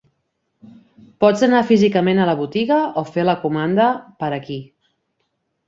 Pots anar físicament a la botiga o fer la comanda per aquí.